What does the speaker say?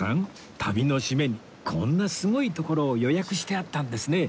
旅のシメにこんなすごい所を予約してあったんですね